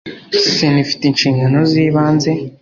sena ifite inshingano z’ibanze